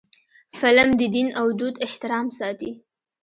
فلم د دین او دود احترام ساتي